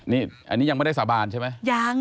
นี่อันนี้ยังไม่ได้สาบานใช่ไหม